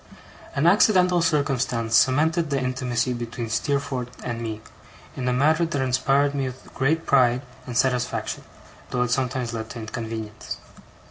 An accidental circumstance cemented the intimacy between Steerforth and me, in a manner that inspired me with great pride and satisfaction, though it sometimes led to inconvenience.